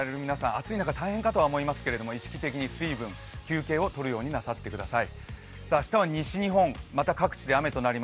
暑い中、大変かと思いますが意識的に水分、休憩を取るようになさってください。